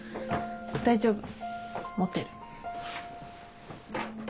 大丈夫持てる。